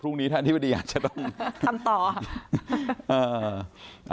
พรุ่งนี้ถ้าอธิบดีอาจจะต้อง